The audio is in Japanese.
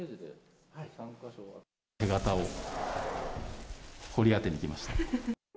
手形を掘り当てに来ました。